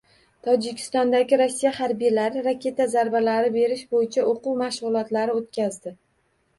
Tojikistondagi Rossiya harbiylari raketa zarbalari berish bo‘yicha o‘quv mashg‘ulotlari o‘tkazdi